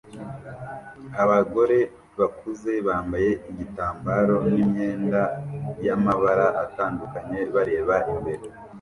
Abagore bakuze bambaye igitambaro n imyenda yamabara atandukanye bareba imbere